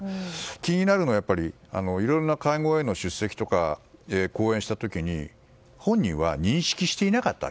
気になるのはいろいろな会合への出席や講演した時に本人は認識していなかった。